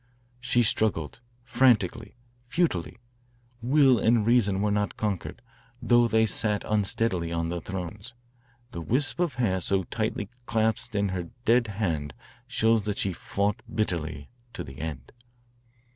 She struggled frantically, futilely. Will and reason were not conquered, though they sat unsteadily on their thrones. The wisp of hair so tightly clasped in her dead hand shows that she fought bitterly to the end."